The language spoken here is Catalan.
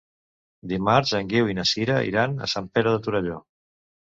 Dimarts en Guiu i na Sira iran a Sant Pere de Torelló.